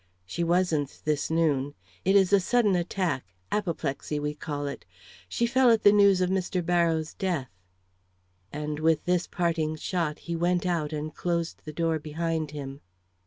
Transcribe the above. "She wasn't this noon. It is a sudden attack. Apoplexy we call it. She fell at the news of Mr. Barrows' death." And with this parting shot, he went out and closed the door behind him.